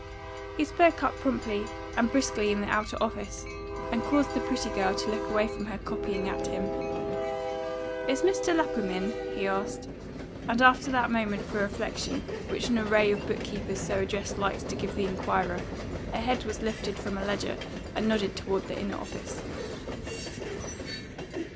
He spoke up promptly and briskly in the outer office, and caused the pretty girl to look away from her copying at him. "Is Mr. Lapham in?" he asked; and after that moment for reflection which an array of book keepers so addressed likes to give the inquirer, a head was lifted from a ledger and nodded toward the inner office.